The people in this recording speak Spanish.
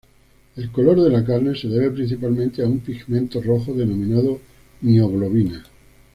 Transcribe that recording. El color de la carne se debe principalmente a un pigmento rojo denominado mioglobina.